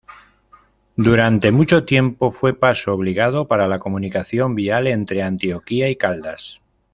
Durante mucho tiempo fue paso obligado para la comunicación vial entre Antioquia y Caldas.